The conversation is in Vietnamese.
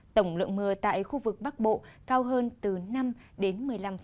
tổng lượng mưa tại khu vực bắc bộ cao hơn từ năm đến một mươi năm